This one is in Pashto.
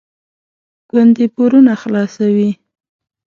ګوندې پورونه خلاصوي.